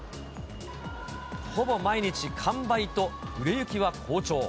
ほぼ毎日、完売と売れ行きは好調。